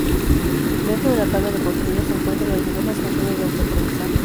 Dentro de la tabla de contenido se encuentran las diversas funciones de autoaprendizaje.